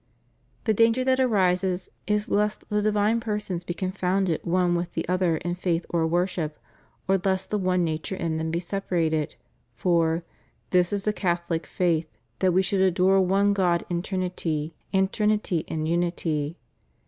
' The danger that arises is lest the divine persons be confounded one with the other in faith or worship, or lest the one nature in them be separated: for "This is the Catholc faith, that we should adore one God in Trinity and Trinity in Unity."